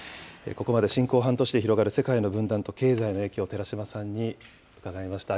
ここまで侵攻半年で広がる世界の分断と経済の影響、寺島さんに伺いました。